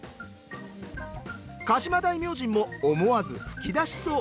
鹿島大明神も思わず吹き出しそう。